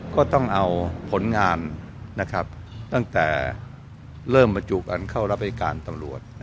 ก็ต้องเอาผลงานตั้งแต่เริ่มบรรจุกันเข้ารับรายการตำรวจ